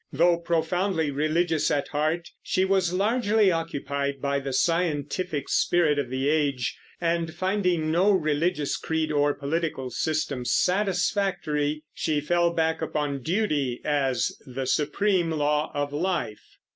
Though profoundly religious at heart, she was largely occupied by the scientific spirit of the age; and finding no religious creed or political system satisfactory, she fell back upon duty as the supreme law of life.